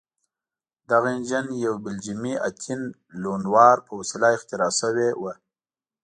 دغه انجن یو بلجیمي اتین لونوار په وسیله اختراع شوی و.